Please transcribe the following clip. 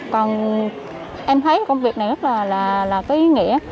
còn em thấy công việc này rất là có ý nghĩa